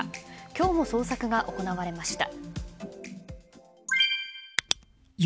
今日も捜索が行われました。